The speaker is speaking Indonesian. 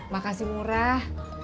mak kasih murah